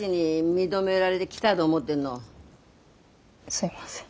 すいません。